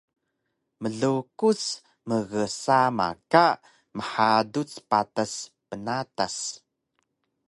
Mlukus mgsama ka mhaduc patas bnatas